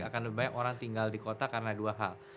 akan lebih banyak orang tinggal di kota karena dua hal